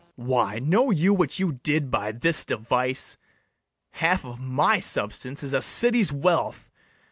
BARABAS. Why, know you what you did by this device? Half of my substance is a city's wealth.